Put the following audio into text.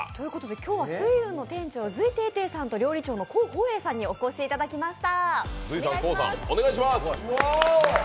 今日は翠雲の店長隋テイテイさんと料理長の候方栄さんにお越しいただきました。